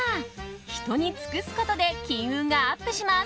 人に尽くすことで金運がアップします。